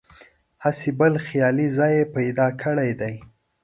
هسې بل خیالي ځای یې پیدا کړی دی.